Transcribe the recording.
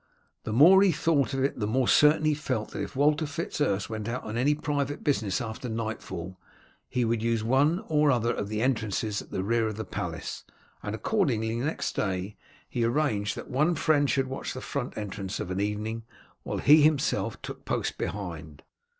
The more he thought of it the more certain he felt that if Walter Fitz Urse went out on any private business after nightfall he would use one or other of the entrances at the rear of the palace, and accordingly next day he arranged that one friend should watch the front entrance of an evening, while he himself took post behind.